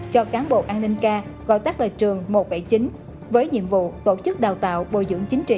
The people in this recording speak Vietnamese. cho cán bộ an ninh ca gọi tác lời trường một trăm bảy mươi chín với nhiệm vụ tổ chức đào tạo bồi dưỡng chính trị